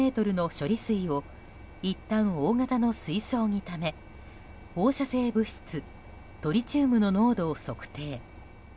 処理水をいったん大型の水槽にため放射性物質トリチウムの濃度を測定。